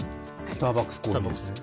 スターバックスコーヒーですか？